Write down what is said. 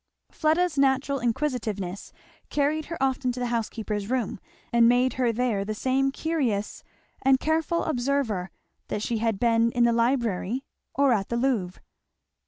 Fleda's natural inquisitiveness carried her often to the housekeeper's room, and made her there the same curious and careful observer that she had been in the library or at the Louvre.